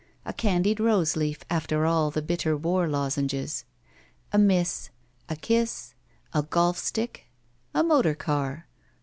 A candied rose leaf after all the bitter war lozenges. A miss. A kiss. A golf stick. A motor car.